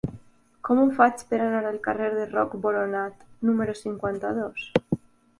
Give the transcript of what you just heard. Com ho faig per anar al carrer de Roc Boronat número cinquanta-dos?